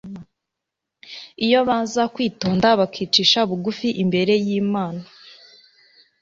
Iyo baza kwitonda bakicisha bugufi imbere y'Imana,